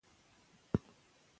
زه هیڅکله په درواغو خبرې نه کوم.